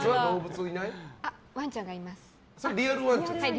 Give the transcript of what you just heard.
ワンちゃんがいます。